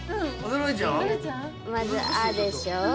まず「ア」でしょ。